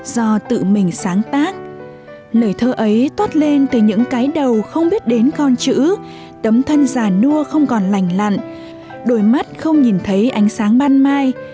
do tự mình sáng tác lời thơ ấy toát lên từ những cái đầu không biết đến con chữ tấm thân già nua không còn lành lặn đôi mắt không nhìn thấy ánh sáng ban mai